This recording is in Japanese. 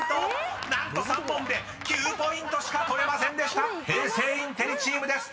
［何と３問で９ポイントしか取れませんでした平成インテリチームです］